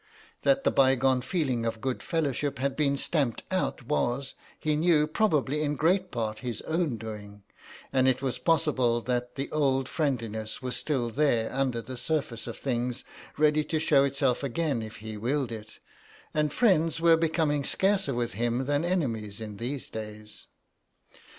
That the bygone feeling of good fellowship had been stamped out was, he knew, probably in great part his own doing, and it was possible that the old friendliness was still there under the surface of things, ready to show itself again if he willed it, and friends were becoming scarcer with him than enemies in these days.